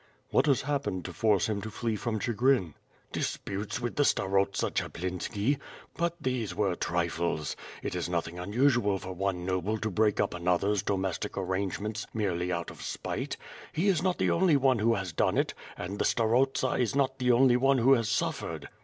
"What has happened to force him to flee from Chigrin?" "Disputes with the starosta Chaplinski; but these were trifles. It is nothing unusual for one noble to break up another's domestic arrangements merely out of spite; he is not the only one who has done it, and the starosta is not the only one who has suffered.